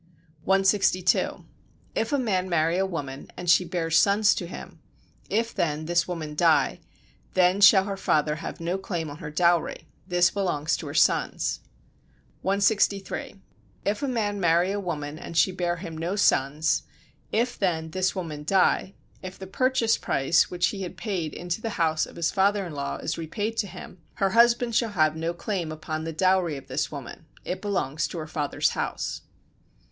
162. If a man marry a woman, and she bear sons to him; if then this woman die, then shall her father have no claim on her dowry; this belongs to her sons. 163. If a man marry a woman and she bear him no sons; if then this woman die, if the "purchase price" which he had paid into the house of his father in law is repaid to him, her husband shall have no claim upon the dowry of this woman; it belongs to her father's house.